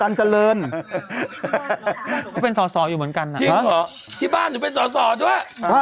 ก็เป็นสอสออยู่เหมือนกันนะจริงเหรอที่บ้านหนูเป็นสอสอด้วย